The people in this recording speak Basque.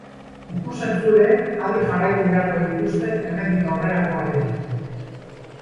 Ikus-entzuleek adi jarraitu beharko dituzte hemendik aurrerakoak ere.